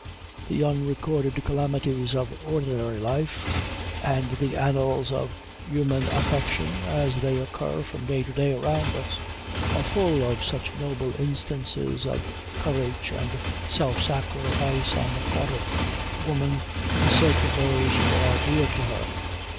The unrecorded calamities of ordinary life, and the annals of human affection, as they occur from day to day around us, are full of such noble instances of courage and self sacrifice on the part of woman for the sake of those who are dear to her.